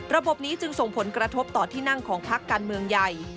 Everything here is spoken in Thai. ระบบนี้จึงส่งผลกระทบต่อที่นั่งของพักการเมืองใหญ่